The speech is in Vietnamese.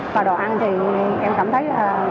và đồ ăn thì em cảm thấy